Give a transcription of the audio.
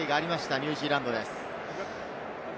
ニュージーランドです。